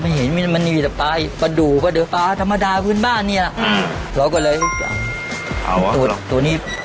คือเป็นแพชชั่นเพราะความชอบ